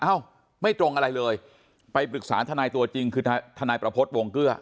เอ้าไม่ตรงอะไรเลยไปปรึกษาทนายตัวจริงคือทนายประพฤติวงเกลือ